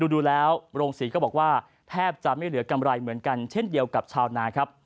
ดูแล้วโรงศรีก็บอกว่าแทบจะไม่เหลือกำไรเหมือนกันเช่นเดียวกับชาวนาครับ